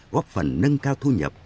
góp phần nâng cao thu nhập